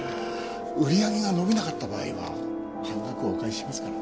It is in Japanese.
売り上げが伸びなかった場合は半額お返ししますから。